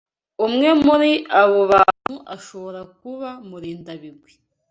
Umwe muri abo bantu ashobora kuba Murindabigwi.